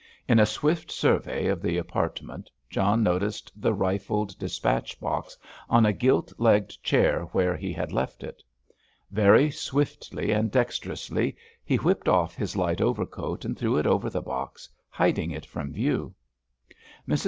In a swift survey of the apartment John noticed the rifled dispatch box on a gilt legged chair where he had left it. Very swiftly and dexterously he whipped off his light overcoat and threw it over the box, hiding it from view. Mrs.